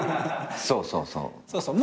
そうそうそう。